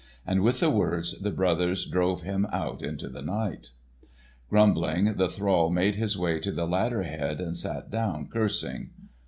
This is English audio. And with the words the brothers drove him out into the night. Grumbling, the thrall made his way to the ladder head, and sat down cursing.